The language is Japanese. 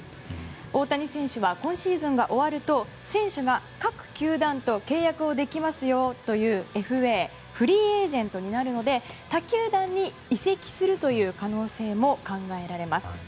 大谷選手は今シーズンが終わると選手が各球団と契約をできますよというＦＡ・フリーエージェントになるので他球団に移籍するという可能性も考えられます。